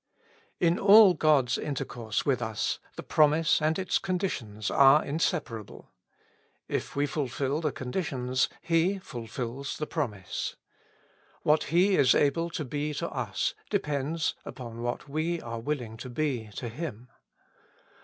IN all God's intercourse with us, the promise and its conditions are inseparable. If we fulfil the conditions, He fulfils tlie promise. What He is to be to us depends upon what we are willing to be to Him.